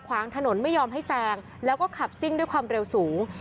ขวางถนนไม่ยอมให้แซงแล้วก็ขับซิ่งด้วยความเร็วสูง